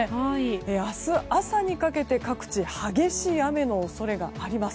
明日朝にかけて各地激しい雨の恐れがあります。